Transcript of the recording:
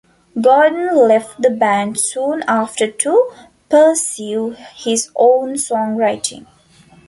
Gordon left the band soon after to pursue his own song writing.